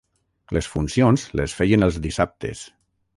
Les funcions les feien els dissabtes.